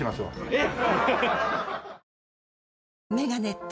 えっ！？